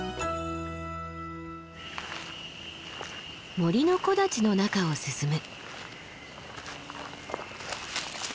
森の木立の中を進む。